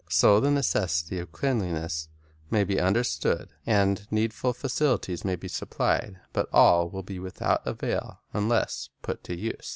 So the necessity of cleanliness may be understood, and needful facilities may be supplied; but all will be without avail unless put to use.